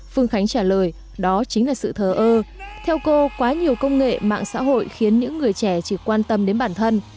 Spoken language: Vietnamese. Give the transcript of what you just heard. phương khánh trả lời đó chính là sự thờ ơ theo cô quá nhiều công nghệ mạng xã hội khiến những người trẻ chỉ quan tâm đến bản thân